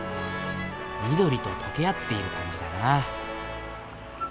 緑と溶け合っている感じだなあ。